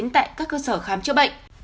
tại các cơ sở khám chữa bệnh